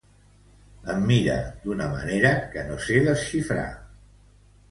Em mira d'una manera que no sé desxifrar.